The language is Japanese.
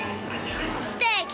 ステーキ！